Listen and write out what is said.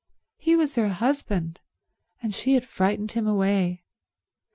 He was her husband, and she had frightened him away.